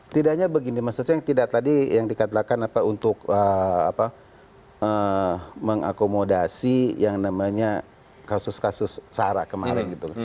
tidaknya begini maksud saya yang tidak tadi yang dikatakan apa untuk mengakomodasi yang namanya kasus kasus sarah kemarin gitu